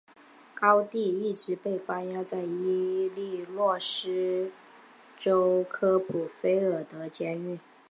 高蒂一直被关押在伊利诺斯州斯普林菲尔德监狱。